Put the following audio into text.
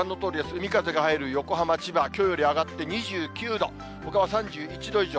海風が入る横浜、千葉、きょうより上がって２９度、ほかは３１度以上。